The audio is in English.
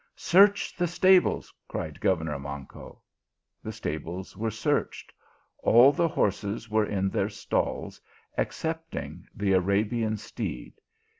" Search the stables," cried governor Manco. The stables were searched ; all the horses were in their stalls, excepting the Arabian steed.